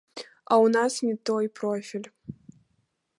А ў нас не той профіль.